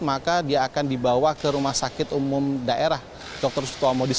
maka dia akan dibawa ke rumah sakit umum daerah dr sutomo